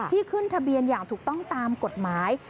ขึ้นทะเบียนอย่างถูกต้องตามกฎหมาย